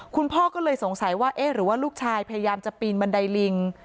คุณพ่อก็เลยสงสัยว่าเอ๊ะหรือว่าลูกชายพยายามจะปีนบันไดลิง